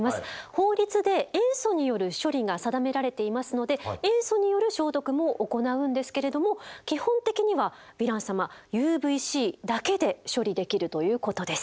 法律で塩素による処理が定められていますので塩素による消毒も行うんですけれども基本的にはヴィラン様ＵＶーＣだけで処理できるということです。